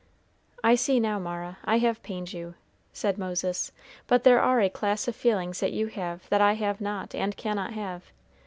"I see now, Mara, I have pained you," said Moses, "but there are a class of feelings that you have that I have not and cannot have.